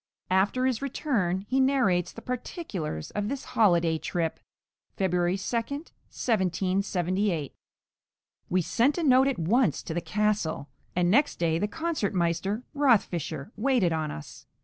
After his return he narrates the particulars of this "holi day trip" (February 2, 1778) We sent a note at once to the castle, and next day the concertmeister, Rothfischer, waited on us.